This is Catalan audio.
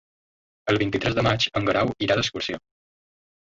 El vint-i-tres de maig en Guerau irà d'excursió.